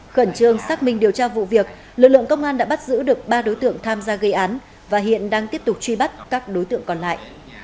khẩn trương xác minh điều tra vụ việc lực lượng công an đã bắt giữ được ba đối tượng tham gia gây án và hiện đang tiếp tục truy bắt các đối tượng còn lại